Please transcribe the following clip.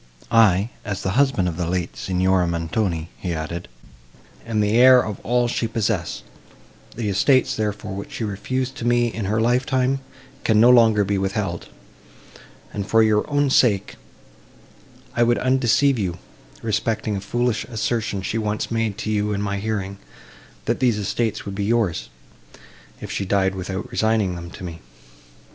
"I, as the husband of the late Signora Montoni," he added, "am the heir of all she possessed; the estates, therefore, which she refused to me in her life time, can no longer be withheld, and, for your own sake, I would undeceive you, respecting a foolish assertion she once made to you in my hearing—that these estates would be yours, if she died without resigning them to me.